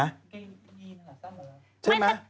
กางเกงยีนหรือขาสั้นหรือ